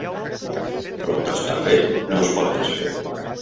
Però el que està fet no es pot desfer.